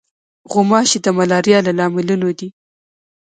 غوماشې د ملاریا له لاملونو دي.